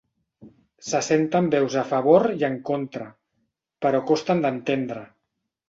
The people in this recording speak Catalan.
Se senten veus a favor i en contra, però costen d'entendre.